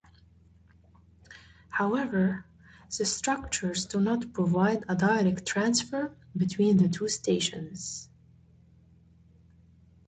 However, the structures do not provide a direct transfer between the two stations.